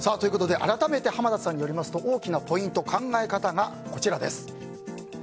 改めて濱田さんによりますと大きなポイント、考え方がこちら。